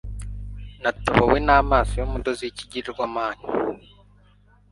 natobowe n'amaso y'umudozi w'ikigirwamana